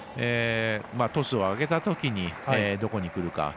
トスを上げたときにどこにくるか。